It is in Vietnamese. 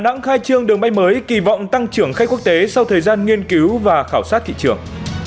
đà nẵng khai trương đường bay mới kỳ vọng tăng trưởng khách quốc tế sau thời gian nghiên cứu và khảo sát thị trường